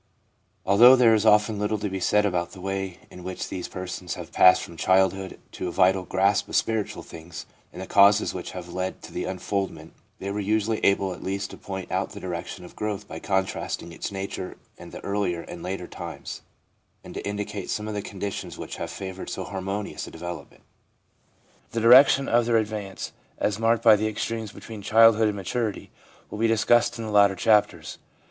Although there is often little to be said about the way in which these persons have passed from childhood to a vital grasp of 298 GROWTH WITHOUT DEFINITE TRANSITIONS 299 spiritual things, and the causes which have led to the unfoldment, they were usually able at least to point out the direction of growth by contrasting its nature at the earlier and later times, and to indicate some of the conditions which have favoured so harmonious a de velopment. The direction of their advance, as marked by the extremes between childhood and maturity, will be discussed in the later chapters.